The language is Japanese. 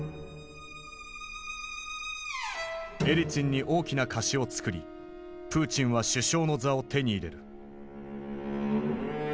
エリツィンに大きな貸しをつくりプーチンは首相の座を手に入れる。